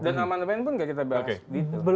dan amandemen pun nggak kita bahas